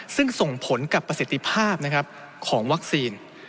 ซึ่งส่งผลกับประสิทธิภาพของวัคซีน